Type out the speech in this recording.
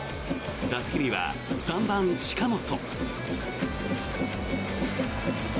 打席には３番、近本。